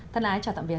thân ái chào tạm biệt